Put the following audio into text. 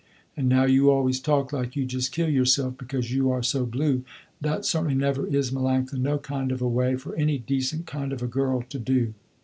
And now you always talk like you just kill yourself because you are so blue, that certainly never is Melanctha, no kind of a way for any decent kind of a girl to do."